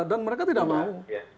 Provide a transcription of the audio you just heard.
dan mereka tidak mau